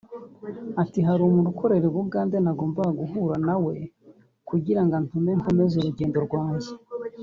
Ati “Hari umuntu ukorera i Bugande nagombaga guhura nawe kugira ngo antume nkomeze urugendo rwanjye